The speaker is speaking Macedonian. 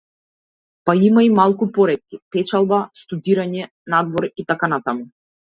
Па има и малку поретки, печалба, студирање надвор итн.